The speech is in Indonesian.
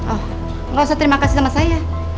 oh gak usah terima kasih sama saya